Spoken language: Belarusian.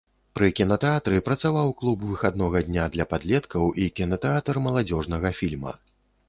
Пры кінатэатры працаваў клуб выхаднога дня для падлеткаў і кінатэатр маладзёжнага фільма.